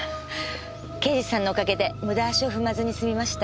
刑事さんのお陰で無駄足を踏まずに済みました。